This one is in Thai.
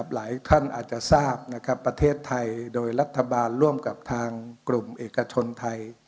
หลายท่านอาจจะทราบประเทศไทยโดยรัฐบาลร่วมกับทางกลุ่มเอกชนไทย